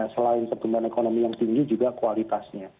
selain pertumbuhan ekonomi yang tinggi juga kualitasnya